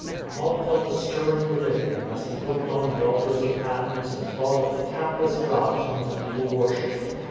Paul felt a stirring within him as he looked on the altars of Athens and thought of the countless gods whom the people worshipped.